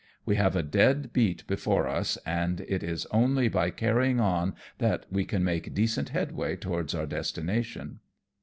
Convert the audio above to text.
We have a dead beat before us, and it is only by carrying on that we can make decent headway towards our destination.